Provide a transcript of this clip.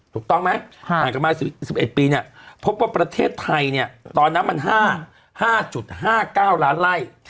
ถูกต้องไหมห่างกันมา๑๑ปีเนี่ยพบว่าประเทศไทยเนี่ยตอนนั้นมัน๕๕๙ล้านไล่